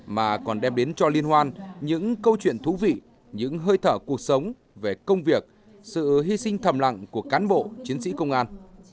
mà còn đem đến cho liên hoan những câu chuyện thú vị những hơi thở cuộc sống về công việc sự hy sinh thầm lặng của cán bộ chiến sĩ công an